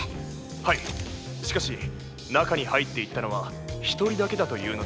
はいしかし中に入っていったのは一人だけだというのです！